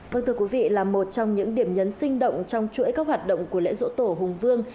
vâng thưa quý vị là một trong những điểm nhấn sinh động trong chuỗi các hoạt động của lễ rỗ tổ hùng vương